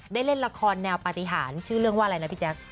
ได้เล่นละครแนวปฏิหารชื่อเรื่องว่าอะไรนะพี่แจ๊ค